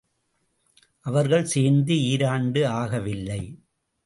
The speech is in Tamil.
இவர்கள் சேர்ந்து ஈராண்டு ஆகவில்லை.